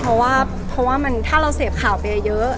เพราะว่าถ้าเราเสพข่าวไปเยอะ